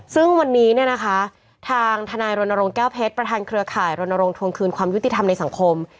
ซึ่งวันนี้เนี่ยนะคะทางทนายรณรงค์แก้วเพชรประธานเครือข่ายรณรงควงคืนความยุติธรรมในสังคม